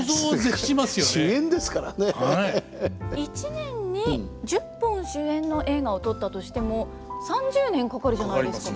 １年に１０本主演の映画を撮ったとしても３０年かかるじゃないですか。